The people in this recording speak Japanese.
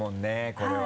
これは。